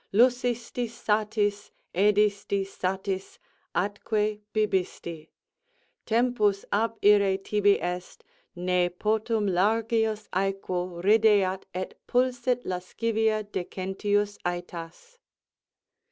Lusisti satis, edisti satis, atque bibisti; Tempus abire tibi est, ne potum largius æquo Rideat et pulset lasciva decentius ætas.